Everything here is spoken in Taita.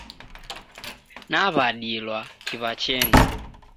Naw'adilwa kiw'achenyi.